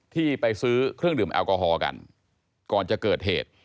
ที่ไปซื้อเครื่องดื่มแอลกอฮอล์กันก่อนจะเกิดเหตุ